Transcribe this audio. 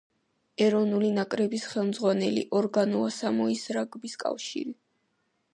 ეროვნული ნაკრების ხელმძღვანელი ორგანოა სამოის რაგბის კავშირი.